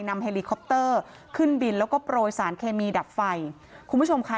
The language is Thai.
เฮลิคอปเตอร์ขึ้นบินแล้วก็โปรยสารเคมีดับไฟคุณผู้ชมค่ะ